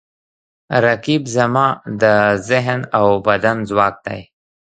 رقیب زما د ذهن او بدن ځواک دی